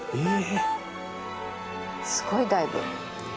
すごいダイブ。